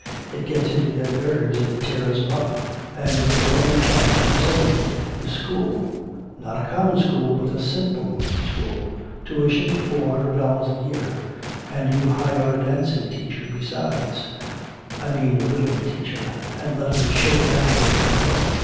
It gets into their nerves and tears 'em up, and your only chance to save 'em is school not a common school but a 'simple' school, tuition four hundred dollars a year. And you hire a dancing teacher besides I mean a rhythm teacher and let 'em shake it out of their feet.